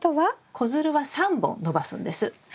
子づるは３本伸ばすんです。